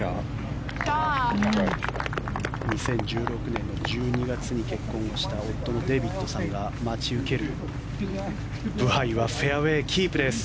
２０１６年の１２月に結婚をした夫のデービッドさんが待ち受けるブハイはフェアウェーキープです。